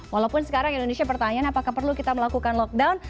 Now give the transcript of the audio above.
walaupun sekarang indonesia pertanyaan apakah perlu kita melakukan lockdown